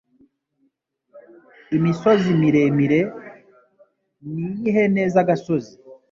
Imisozi miremire ni iy’ihene z’agasozi